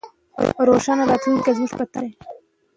روښانه راتلونکی زموږ په تمه دی.